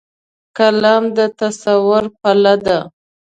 قلم د تصور پله ده